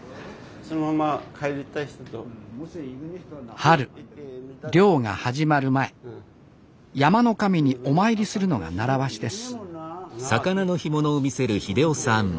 春猟が始まる前山の神にお参りするのが習わしです